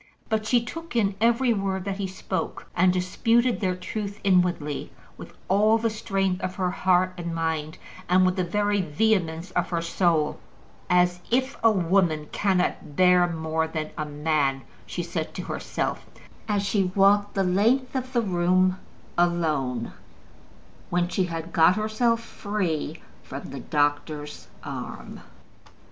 But she took in every word that he spoke, and disputed their truth inwardly with all the strength of her heart and mind, and with the very vehemence of her soul. "As if a woman cannot bear more than a man!" she said to herself, as she walked the length of the room alone, when she had got herself free from the doctor's arm.